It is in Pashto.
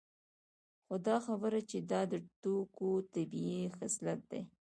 خو دا خبره چې دا د توکو طبیعي خصلت دی